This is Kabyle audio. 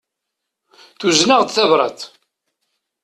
Tuzen-aɣ-d tabrat.